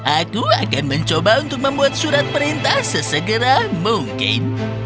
aku akan mencoba untuk membuat surat perintah sesegera mungkin